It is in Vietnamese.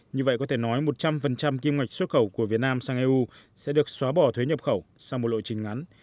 như vậy có thể nói một trăm linh kim ngạch xuất khẩu của việt nam sang eu sẽ được xóa bỏ thuế nhập khẩu sau một lộ trình ngắn